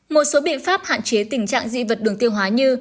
một số biện pháp hạn chế tình trạng dị vật đường tiêu hóa như